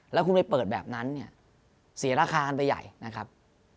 แล้วคุณไปเปิดแบบนั้นเนี่ยเสียราคากันไปใหญ่นะครับ